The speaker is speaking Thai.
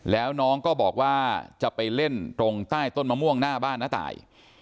แล้วน้องก็บอกว่าจะไปเล่นตรงใต้ต้นมะม่วงหน้าบ้านน้าตาย